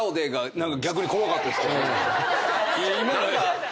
何か。